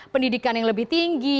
pendidikan yang lebih tinggi